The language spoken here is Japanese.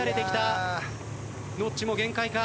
ノッチもう限界か？